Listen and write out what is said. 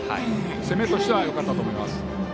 攻めとしてはよかったと思います。